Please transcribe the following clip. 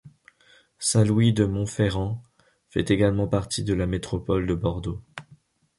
Saint-Louis-de-Montferrand fait également partie de la métropole de Bordeaux.